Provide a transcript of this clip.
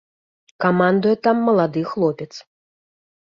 Камандуе там малады хлопец.